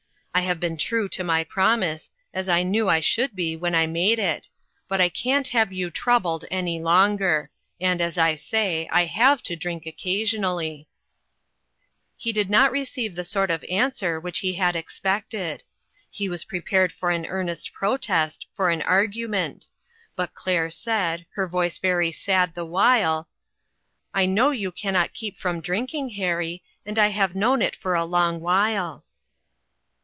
I have been true to my promise, as I knew I should be when I made it, but I can't have you troubled any longer ; and, as I say, I have to drink occasionally." ONE OF THE VICTIMS. 323 He did not receive the sort of answer which he had expected. He was prepared for an earnest protest, for an argument; but Claire said, her voice very sad the while : "I know you can not keep from drink ing, Harry, and I have known it for a long while."